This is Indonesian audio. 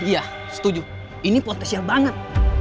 iya setuju ini potensial banget